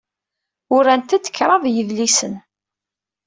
Urant-d kraḍ yedlisen.